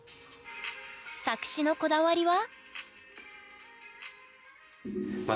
作詞のこだわりは？